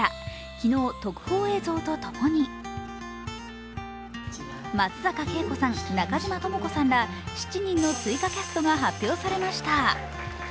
昨日、特報映像とともに、松坂慶子さん、中嶋朋子さんら７人の追加キャストが発表されました。